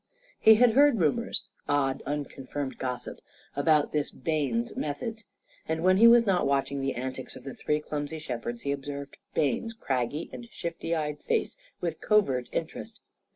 He had heard rumours odd, unconfirmed gossip about this Bayne's methods. And, when he was not watching the antics of the three clumsy shepherds, he observed Bayne's craggy and shifty eyed face with covert interest.